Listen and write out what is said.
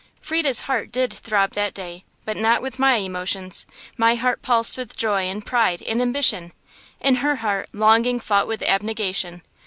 Frieda's heart did throb that day, but not with my emotions. My heart pulsed with joy and pride and ambition; in her heart longing fought with abnegation.